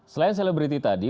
selain selebriti tadi